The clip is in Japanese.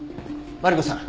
マリコさん